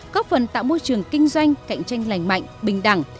có phần tạo môi trường kinh doanh cạnh tranh lành mạnh bình đẳng